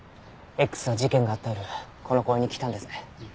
Ｘは事件があった夜この公園に来たんですね。